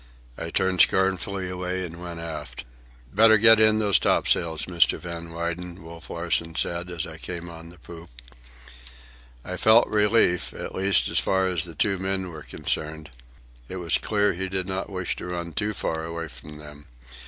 I turned scornfully away and went aft. "Better get in those topsails, Mr. Van Weyden," Wolf Larsen said, as I came on the poop. I felt relief, at least as far as the two men were concerned. It was clear he did not wish to run too far away from them.